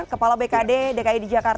kepala bked dki jakarta yang sudah berkata